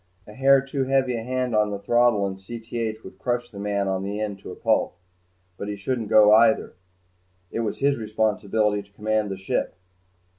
A hair too heavy a hand on the throttle in Cth would crush the man on the end to a pulp. But he shouldn't go either. It was his responsibility to command the ship.